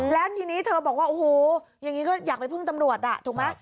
แล้วทีนี้เธอบอกว่าโอ้โหอย่างนี้ก็อยากไปพึ่งตำรวจถูกไหม